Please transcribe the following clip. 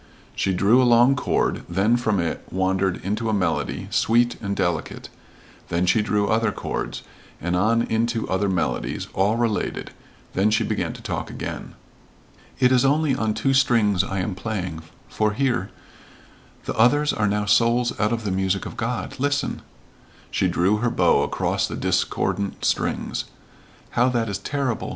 She drew a long chord, then from it wandered into a melody, sweet and delicate; then she drew other chords, and on into other melodies, all related; then she began to talk again. "It is only on two strings I am playing for hear? the others are now souls out of the music of God listen " she drew her bow across the discordant strings. "How that is terrible!